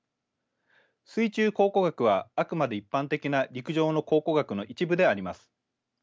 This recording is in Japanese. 水中考古学はあくまで一般的な陸上の考古学の一部であります。